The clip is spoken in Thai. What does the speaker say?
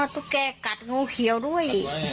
อ๋อตุ๊กแก่กัดโง่เขียวด้วย